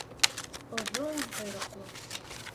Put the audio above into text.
Оҙо-он ҡойроҡло.